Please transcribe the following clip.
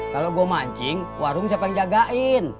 kalau gue mancing warung siapa yang jagain